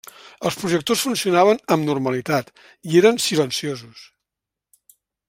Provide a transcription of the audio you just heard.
Els projectors funcionaven amb normalitat i eren silenciosos.